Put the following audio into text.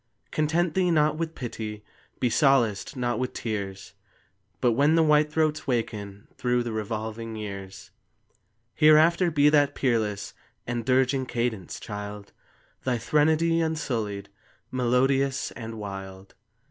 Content thee, not with pity; Be solaced, not with tears; But when the whitethroats waken Through the revolving years, Hereafter be that peerless And dirging cadence, child, Thy threnody unsullied, Melodious, and wild.